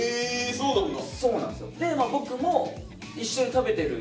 そうなんすよ。